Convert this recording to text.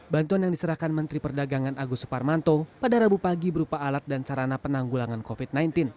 bantuan yang diserahkan menteri perdagangan agus suparmanto pada rabu pagi berupa alat dan sarana penanggulangan covid sembilan belas